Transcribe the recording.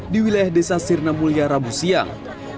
di wilayah desa sirna mulia rabu siang